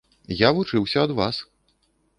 Я вучыўся ад вас.